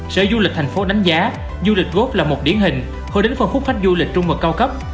sở du lịch tp hcm đánh giá du lịch gold là một điển hình hồi đến phần khúc khách du lịch trung mật cao cấp